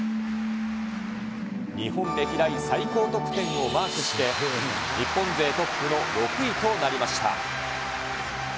日本歴代最高得点をマークして、日本勢トップの６位となりました。